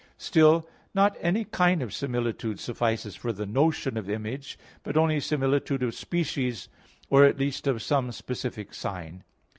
Still, not any kind of similitude suffices for the notion of image, but only similitude of species, or at least of some specific sign.